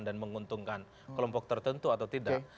dan menguntungkan kelompok tertentu atau tidak